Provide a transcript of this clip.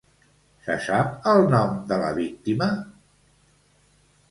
Se sap el nom de la víctima?